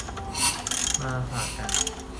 มาฝากกัน